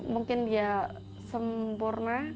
mungkin dia sempurna